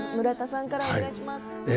村田さんからお願いします。